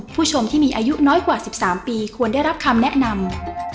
ผู้ชมที่มีอายุน้อยกว่า๑๓ปีควรได้รับคำแนะนำ